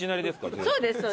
そうですそうです。